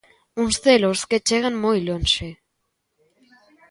Uns celos que chegan moi lonxe.